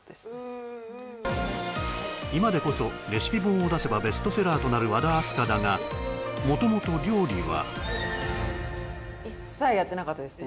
今でこそレシピ本を出せばベストセラーとなる和田明日香だが元々料理はと思いましたよ